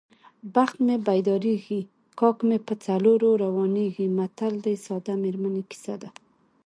بخت مې پیدارېږي کاک مې په څلور روانېږي متل د ساده میرمنې کیسه ده